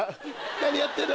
何やってんの？